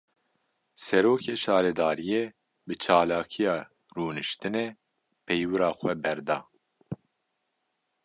Serokê şaredariyê, bi çalakiya rûniştinê peywira xwe berda